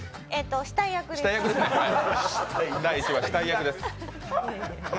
死体役です。